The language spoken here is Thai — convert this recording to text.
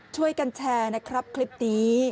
ช่วยกันแชร์นะครับคลิปนี้